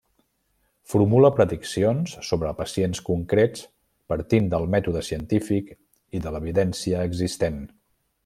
Formula prediccions sobre pacients concrets partint del mètode científic i de l'evidència existent.